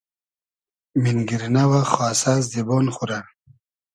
مینگیرنۂ و خاسۂ زیبۉن خو رۂ